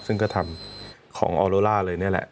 ซึ่งก็ทำของออโลล่าเลยนี่แหละ